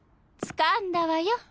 つかんだわよ